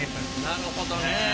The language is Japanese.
なるほどね。